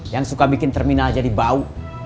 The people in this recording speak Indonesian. yang suka bikin terminal jadi bau